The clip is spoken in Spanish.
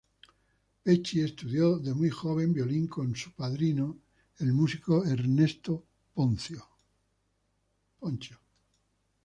Pecci estudió de muy joven violín con su padrino el músico Ernesto Ponzio.